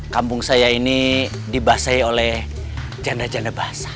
kampung saya ini dibasai oleh janda janda basah